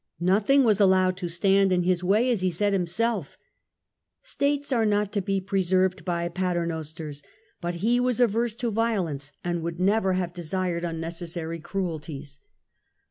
Nothing was allowed to stand in his way ; as he said himself, " States are not to be preserved by Paternosters"; but he was averse to violence and would never have desired unnecessary cruelties.